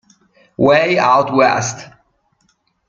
Way Out West